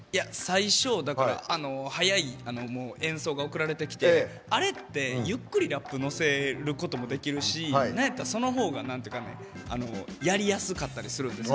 最初だから速い演奏が送られてきてあれってゆっくりラップ乗せることもできるしなんやったらその方がやりやすかったりするんです。